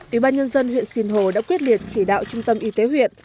ủy ban nhân dân huyện sinh hồ đã quyết liệt chỉ đạo trung tâm y tế huyện